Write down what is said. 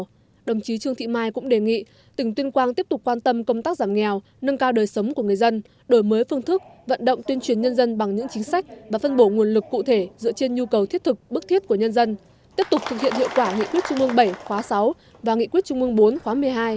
trong hội đồng chí trương thị mai cũng đề nghị tỉnh tuyên quang tiếp tục quan tâm công tác giảm nghèo nâng cao đời sống của người dân đổi mới phương thức vận động tuyên truyền nhân dân bằng những chính sách và phân bổ nguồn lực cụ thể dựa trên nhu cầu thiết thực bức thiết của nhân dân tiếp tục thực hiện hiệu quả nghị quyết trung ương bảy khóa sáu và nghị quyết trung ương bốn khóa một mươi hai